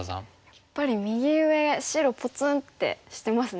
やっぱり右上白ぽつんってしてますね。